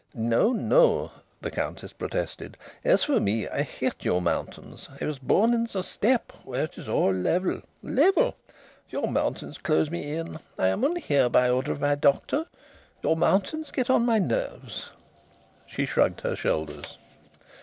"No, no," the Countess protested. "As for me, I hate your mountains. I was born in the steppe where it is all level level! Your mountains close me in. I am only here by order of my doctor. Your mountains get on my nerves." She shrugged her shoulders.